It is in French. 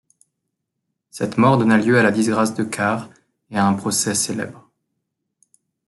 Cette mort donna lieu à la disgrâce de Carr et à un procès célèbre.